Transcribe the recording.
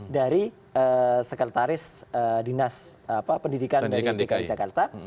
dari sekretaris dinas pendidikan dari dki jakarta